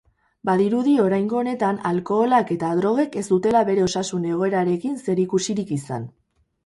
Badirudi oraingo honetan alkoholak eta drogek ez dutela bere osasun egoerarekin zerikusirik izan.